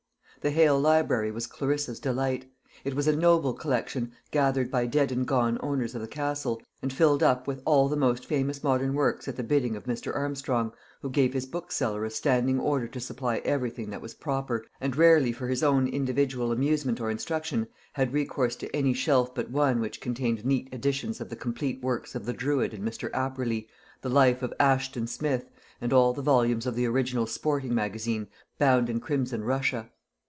The Hale library was Clarissa's delight. It was a noble collection gathered by dead and gone owners of the Castle, and filled up with all the most famous modern works at the bidding of Mr. Armstrong, who gave his bookseller a standing order to supply everything that was proper, and rarely for his own individual amusement or instruction had recourse to any shelf but one which contained neat editions of the complete works of the Druid and Mr. Apperley, the Life of Assheton Smith, and all the volumes of the original Sporting Magazine bound in crimson russia.